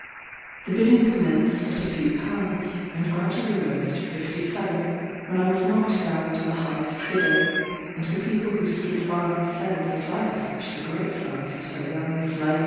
The bidding commenced at a few pounds, and gradually rose to fifty seven, when I was knocked down to the highest bidder; and the people who stood by said that I had fetched a great sum for so young a slave.